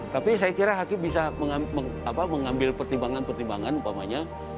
tapi saya kira hakim bisa mengambil pertimbangan pertimbangan umpamanya